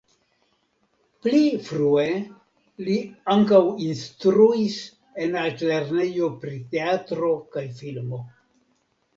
Pli frue li ankaŭ instruis en Altlernejo pri Teatro kaj Filmo.